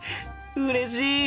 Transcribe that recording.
うれしい！